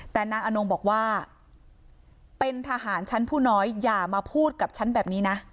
แต่นางอนงบอกว่าเป็นทหารชั้นผู้น้อยอย่ามาพูดกับฉันแบบนี้นะ